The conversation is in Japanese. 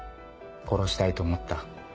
殺したいと思った？